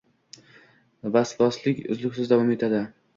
Vosvoslik uzluksiz davom etadi.